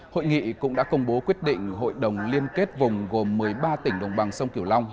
hội nghị cũng đã công bố quyết định hội đồng liên kết vùng gồm một mươi ba tỉnh đồng bằng sông kiểu long